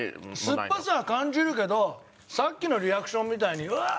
すっぱさは感じるけどさっきのリアクションみたいに「うわ！」は全然。